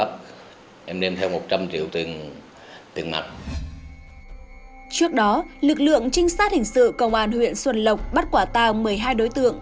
trước đó lực lượng trinh sát hình sự công an huyện xuân lộc bắt quả tàng một mươi hai đối tượng